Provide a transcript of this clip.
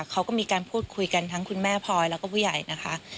เขาก็มีการพูดคุยกันทั้งคุณแม่พลอยแล้วก็ผู้ใหญ่นะคะ